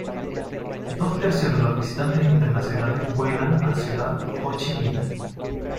Dos tercios de los visitantes internacionales vuelan a Ciudad Ho Chi Minh.